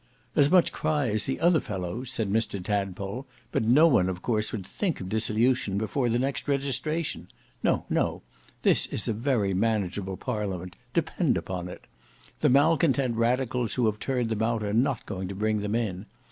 "As much cry as the other fellows," said Mr Tadpole; "but no one of course would think of dissolution before the next registration. No, no; this is a very manageable Parliament, depend upon it. The malcontent radicals who have turned them out are not going to bring them in.